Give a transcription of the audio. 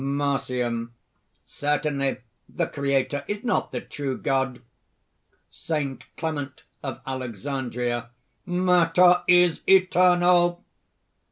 MARCION. "Certainly, the Creator is not the true God!" SAINT CLEMENT OF ALEXANDRIA. "Matter is eternal!"